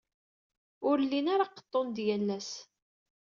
Ur llin ara qeḍḍun-d yal ass.